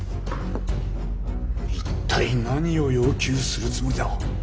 一体何を要求するつもりだ